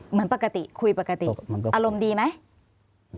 เหมือนปกติคุยปกติอารมณ์ดีไหม